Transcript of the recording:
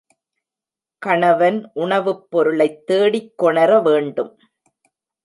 கணவன் உணவுப் பொருளைத் தேடிக் கொணர வேண்டும்.